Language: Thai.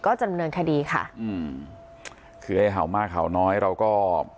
ก็จำเนินคดีค่ะอืมคือไอ้เห่ามากเห่าน้อยเราก็